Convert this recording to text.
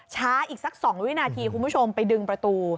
อีกสัก๒วินาทีคุณผู้ชมไปดึงประตู